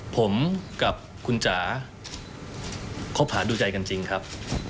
ผมกับคุณจ๋าคบหาดูใจกันจริงครับ